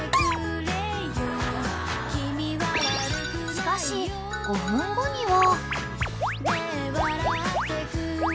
［しかし５分後には］